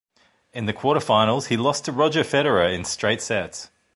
In the quarterfinals, he lost to Roger Federer in straight sets.